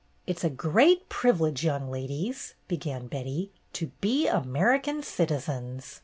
"It 's a great privilege, young ladies," began Betty, "to be American citizens.